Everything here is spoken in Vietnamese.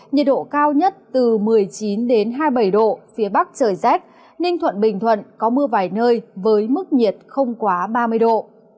nhiệt độ cao nhất từ một mươi chín hai mươi bảy độ phía bắc trời rét ninh thuận bình thuận có mưa vài nơi với mức nhiệt không quá ba mươi độ